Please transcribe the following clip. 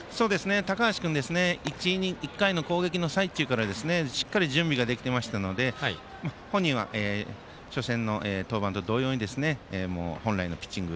高橋君１イニングの攻撃の最中からしっかり準備ができていましたので本人は初戦の登板と同様にもう本来のピッチング。